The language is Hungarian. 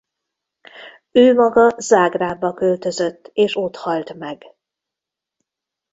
Ő maga Zágrábba költözött és ott halt meg.